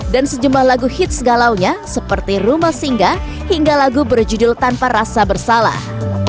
dan sejumlah lagu hits galaunya seperti rumah singga hingga lagu berjudul tanpa rasa bersalah